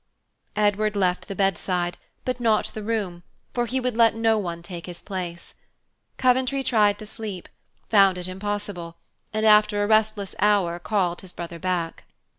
Edward left the bedside but not the room, for he would let no one take his place. Coventry tried to sleep, found it impossible, and after a restless hour called his brother back.